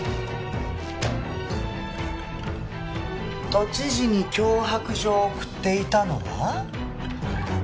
都知事に脅迫状を送っていたのは。